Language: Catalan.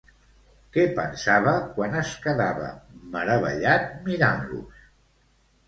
Què pensava quan es quedava meravellat mirant-los?